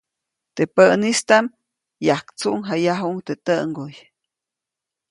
Teʼ päʼnistaʼm, yajktsuʼŋjayajuʼuŋ teʼ täʼŋguy.